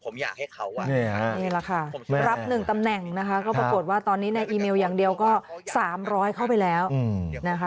นี่แหละค่ะรับหนึ่งตำแหน่งนะคะก็ปรากฏว่าตอนนี้ในอีเมลอย่างเดียวก็๓๐๐เข้าไปแล้วนะคะ